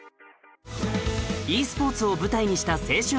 ｅ スポーツを舞台にした青春アニメ